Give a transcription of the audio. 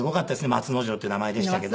松之丞っていう名前でしたけど。